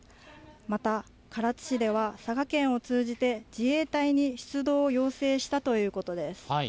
また唐津市では、佐賀県を通じて自衛隊に出動を要請したということです。